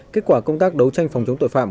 kết quả công tác đấu tranh phòng chống tội phạm